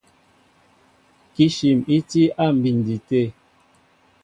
Kíshim í tí á mbindɛ tê.